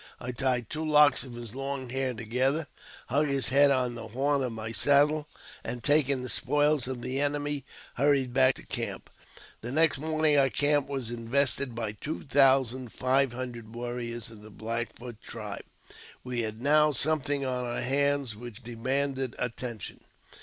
I tied two locks of his long hair together, hung his head on the horn of my saddle, and, taking the spoils of the enemy, hurried back to camp. The next morning our camp was invested by two thousand five hundred warriors of the Black Foot tribe. We had now something on our hands which demanded attention.